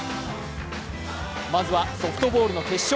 まずはソフトボールの決勝。